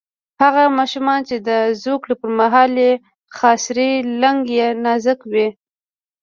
هغه ماشومان چې د زوکړې پر مهال یې خاصرې لګن یې نازک وي.